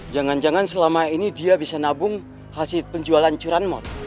jangan jangan selama ini dia bisa nabung hasil penjualan curanmon